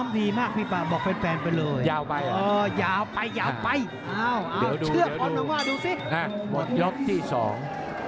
เดี๋ยวดูดูสิวันยอดที่สอง